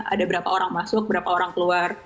ada berapa orang masuk berapa orang keluar